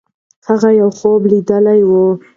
هغې یو خوب لیدلی وو.